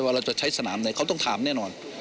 เราจะใช้สนามไหนเขาต้องถามแน่นอน